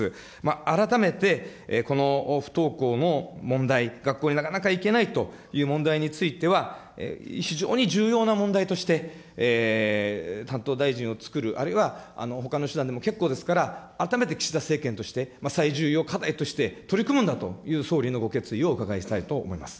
改めて、この不登校の問題、学校になかなか行けないという問題については、非常に重要な問題として担当大臣を作る、あるいはほかの手段でも結構ですから、改めて岸田政権として最重要課題として、取り組むんだという総理のご決意をお伺いしたいと思います。